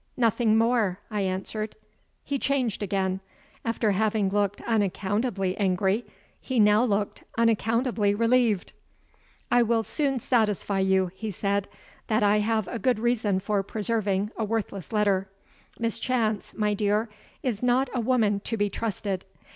"Nothing more," I answered. He changed again. After having looked unaccountably angry, he now looked unaccountably relieved. "I will soon satisfy you," he said, "that I have a good reason for preserving a worthless letter. Miss Chance, my dear, is not a woman to be trusted.